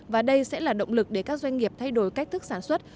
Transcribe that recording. và đây sẽ là động lực để các doanh nghiệp thay đổi cách thức sản xuất